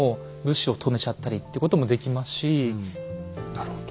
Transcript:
なるほど。